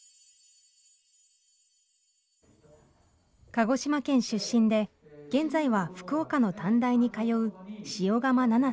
鹿児島県出身で現在は福岡の短大に通う塩釜菜那さん。